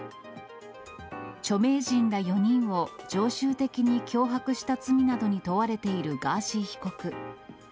著名人ら４人を常習的に脅迫した罪などに問われているガーシー被告。